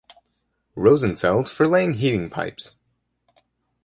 Rosenfeld for laying heating pipes.